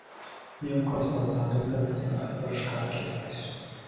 یو کس په اسانۍ سره د سنایپر ښکار کېدلی شو